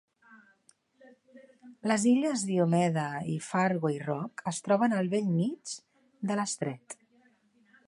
Les illes Diomede i Fairway Rock es troben al bell mig de l'estret.